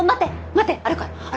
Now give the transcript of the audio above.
待ってあるから！